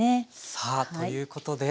さあということで。